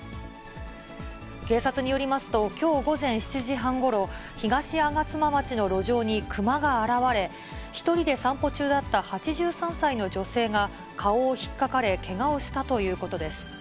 警察によりますと、きょう午前７時半ごろ、東吾妻町の路上にクマが現れ、１人で散歩中だった８３歳の女性が、顔をひっかかれ、けがをしたということです。